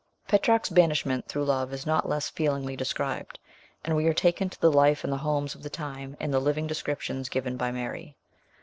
Petrarch's banishment through love is not less feelingly described, and we are taken to the life and the homes of the time in the living descrip tions given by Mary.